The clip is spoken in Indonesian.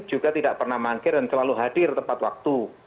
juga tidak pernah mangkir dan selalu hadir tepat waktu